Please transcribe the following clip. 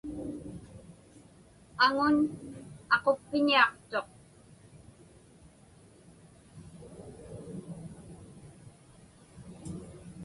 Aŋun aquppiniaqtuq.